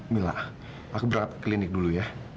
mila aku berangkat ke klinik dulu ya